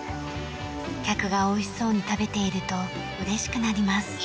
客が美味しそうに食べていると嬉しくなります。